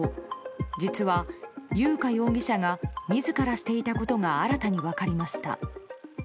実は、優花容疑者が自らしていたことが新たに分かりました。